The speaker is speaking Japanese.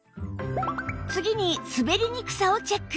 次に滑りにくさをチェック！